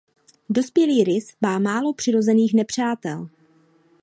Dospělý rys má málo přirozených nepřátel.